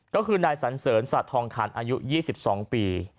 ก็คือนายสันเสริญสัตว์ทองคันอายุ๒๒ปี